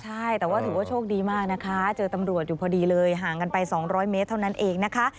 ใช่แต่ว่าถือว่าโชคดีมากนะคะเจอตำรวจอยู่พอดีเลยห่างกันไป๒๐๐เมตรเท่านั้นเองนะคะ